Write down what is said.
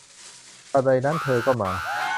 ทันใดนั้นเธอก็มา